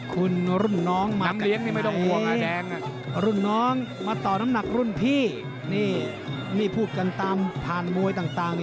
คุณรุ่นน้องมากันไหมรุ่นน้องมาต่อน้ำหนักรุ่นพี่นี่พูดกันตามผ่านมวยต่าง